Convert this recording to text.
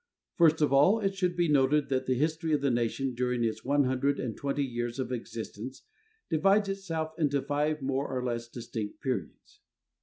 First of all, it should be noted that the history of the nation during its one hundred and twenty years of existence divides itself into five more or less distinct periods.